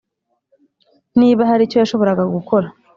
niba hari icyo yashoboraga gukora.